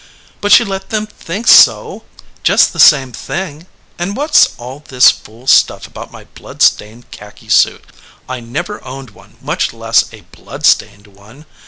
"But she let them think so. Just the same thing. And what s all this fool stuff about my blood stained khaki suit? I never owned one, much less a blood stained one.